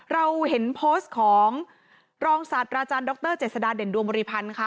เราเห็นโพสต์ของรองสัตว์รดรเจษฎาเด่นดวมริพันธ์ค่ะ